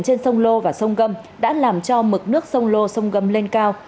trên sông lô và sông gâm đã làm cho mực nước sông lô sông gâm lên cao